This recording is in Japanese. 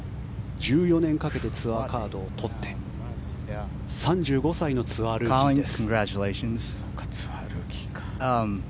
１４年かけてツアーカードをとって３５歳のツアールーキーです。